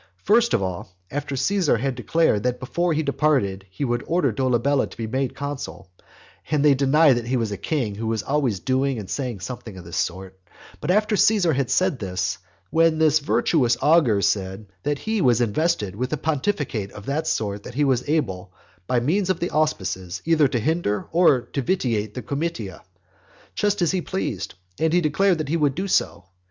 First of all, after Caesar had declared that before he departed he would order Dolabella to be made consul, (and they deny that he was a king who was always doing and saying something of this sort,) but after Caesar had said this, then this virtuous augur said that he was invested with a pontificate of that sort that he was able, by means of the auspices, either to hinder or to vitiate the comitia, just as he pleased; and he declared that he would do so.